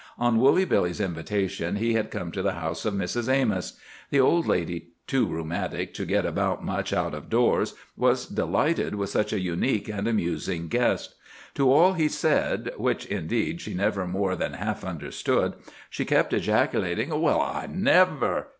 On Woolly Billy's invitation he had come to the house of Mrs. Amos. The old lady, too rheumatic to get about much out of doors, was delighted with such a unique and amusing guest. To all he said—which, indeed, she never more than half understood—she kept ejaculating, "Well, I never!"